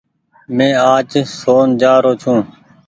مينٚ آج شون جآ رو ڇو